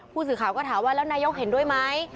ผู้สื่อข่าวก็ถามว่าแล้วนายกเห็นด้วยไหม